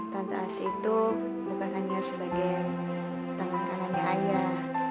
tante asyik itu bukan hanya sebagai temankanannya ayah